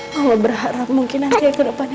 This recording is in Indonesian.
kalau berharap mungkin nanti ke depannya